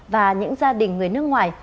và những gia đình người nước ngoài